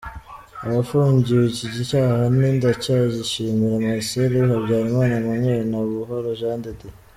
Abafungiwe iki cyaha ni Ndacyayishimira Marcel, Habyarimana Emmanuel na Buhoro Jean de Dieu.